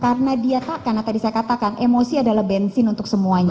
karena dia takut karena tadi saya katakan emosi adalah bensin untuk semuanya